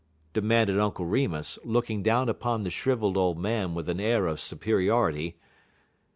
demanded Uncle Remus, looking down upon the shrivelled old man with an air of superiority.